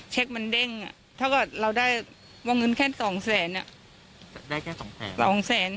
เช็คมันเด้งถ้าเกิดเราได้วงเงินแค่สองแสนได้แค่สองแสนสองแสน